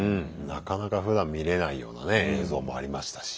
なかなかふだん見れないようなね映像もありましたし。